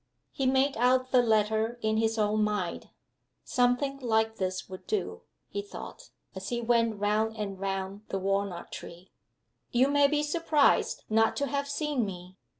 He made out the letter in his own mind. "Something like this would do," he thought, as he went round and round the walnut tree: "You may be surprised not to have seen me.